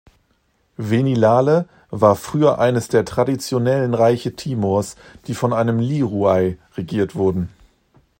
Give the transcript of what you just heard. Venilale war früher eines der traditionellen Reiche Timors, die von einem Liurai regiert wurden.